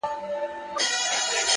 پوهه د تیارو افکارو ضد ده،